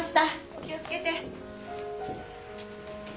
お気を付けて。